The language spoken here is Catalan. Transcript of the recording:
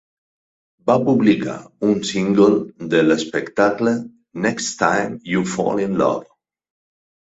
Va publicar un single de l'espectacle: "Next Time You Fall in Love".